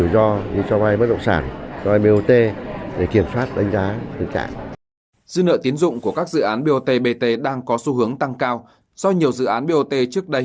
dư nợ tiến dụng của các dự án bot bt đang có xu hướng tăng cao do nhiều dự án bot trước đây